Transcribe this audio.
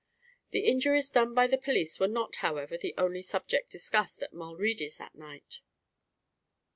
The injuries done by the police were not, however, the only subject discussed at Mulready's that night.